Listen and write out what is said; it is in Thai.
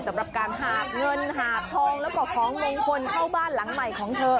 สำหรับการหาบเงินหาบทองแล้วก็ของมงคลเข้าบ้านหลังใหม่ของเธอ